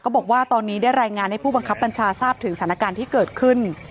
บอกว่าตอนนี้ได้รายงานให้ผู้บังคับบัญชาทราบถึงสถานการณ์ที่เกิดขึ้น